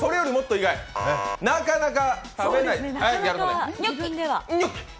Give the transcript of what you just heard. なかなか食べない。